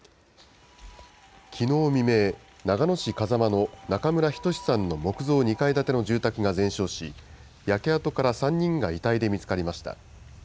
きのう未明、長野市風間の中村均さんの木造２階建ての住宅が全焼し、焼け跡から３人が遺体で見つかりました。